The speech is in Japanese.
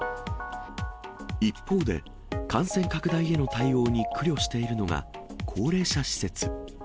一方で、感染拡大への対応に苦慮しているのが、高齢者施設。